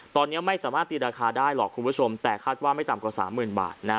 ตอนนี้ไม่สามารถตีราคาได้หรอกคุณผู้ชมแต่คาดว่าไม่ต่ำกว่าสามหมื่นบาทนะ